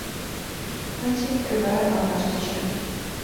Латик кӱвар оҥаштыже